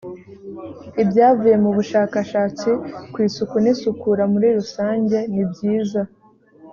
ibyavuye mu bushakashatsi ku isuku n isukura muri rusange nibyiza